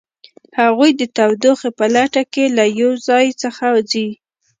هغوی د تودوخې په لټه کې له یو ځای څخه ځي